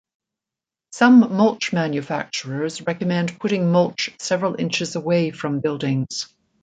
Some mulch manufacturers recommend putting mulch several inches away from buildings.